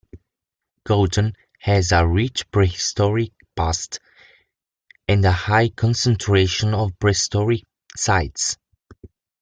Gourdon has a rich prehistoric past, and a high concentration of prehistoric sites.